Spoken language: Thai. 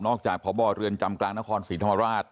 จากพบเรือนจำกลางนครศรีธรรมราช